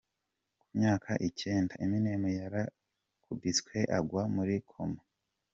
Ku myaka icyenda, Eminem yarakubiswe agwa muri coma.